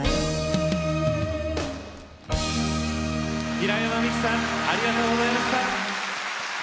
平山みきさんありがとうございました。